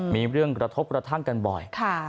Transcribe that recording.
มีเรื่องกระทบกระทั่งกันบ่อย